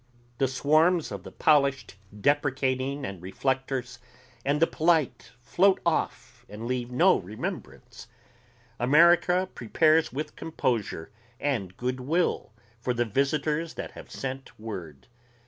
The swarms of the polished deprecating and reflectors and the polite float off and leave no remembrance. America prepares with composure and goodwill for the visitors that have sent word.